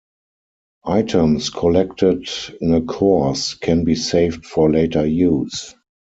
Items collected in a course can be saved for later use.